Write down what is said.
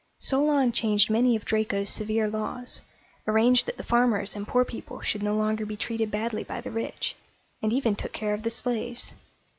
Solon changed many of Draco's severe laws, arranged that the farmers and poor people should no longer be treated badly by the rich, and even took care of the slaves.